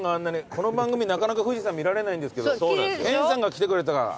この番組なかなか富士山見られないんですけど研さんが来てくれたから。